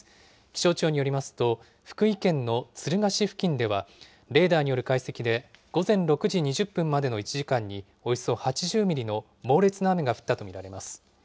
気象庁によりますと、福井県の敦賀市付近では、レーダーによる解析で午前６時２０分までの１時間に、およそ８０ミリの猛烈な雨が降ったと見られます。